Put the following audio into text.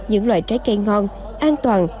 những loại trái cây ngon an toàn